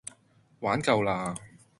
玩夠啦